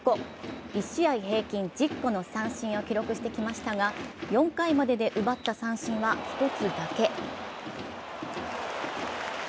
１試合平均１０個の三振を記録してきましたが４回までで奪った三振は１つだけ。